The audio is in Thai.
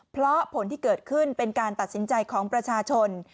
เพราะผลที่เกิดขึ้นเป็นการตัดสินใจของประชาชน